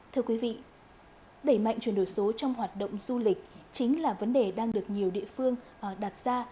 thưa quý vị đẩy mạnh chuyển đổi số trong hoạt động du lịch chính là vấn đề đang được nhiều địa phương đặt ra